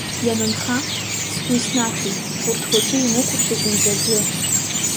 Ианынха, сгәы иснаҭоит, урҭ уаҵәы имыхәошәа зынӡа аӡәы.